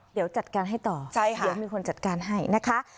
เดี๋ยวจัดการให้ต่อเดี๋ยวมีคนจัดการให้นะคะ